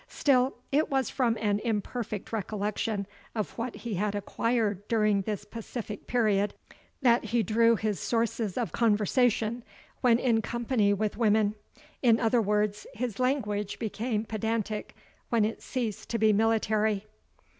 Still it was from an imperfect recollection of what he had acquired during this pacific period, that he drew his sources of conversation when in company with women; in other words, his language became pedantic when it ceased to be military.